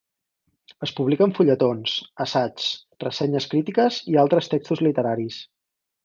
Es publiquen fulletons, assaigs, ressenyes crítiques i altres textos literaris.